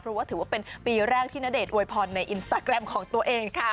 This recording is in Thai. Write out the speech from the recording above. เพราะว่าถือว่าเป็นปีแรกที่ณเดชนอวยพรในอินสตาแกรมของตัวเองค่ะ